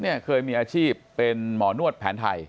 เคยมีอาชีพเป็นหมอนวดแผนไทย